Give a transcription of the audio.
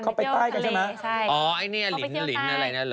เข้าไปเที่ยวใต้อ๋อไอ้นี่ลิ้นอะไรนั่นเหรอ